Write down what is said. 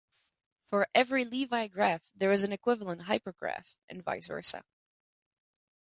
For every Levi graph, there is an equivalent hypergraph, and vice versa.